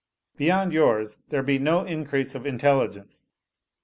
Beyond yours there be no increase of intelli gence.